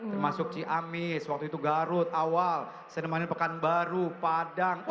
termasuk ciamis garut awal senemani pekanbaru padang